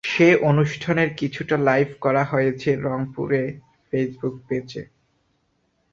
সে অনুষ্ঠানের কিছুটা লাইভ করা হয়েছে রংপুরের ফেসবুক পেজে।